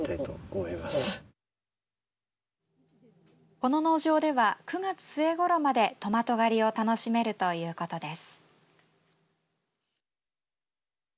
この農場では９月末ごろまでトマト狩りを楽しめるということです。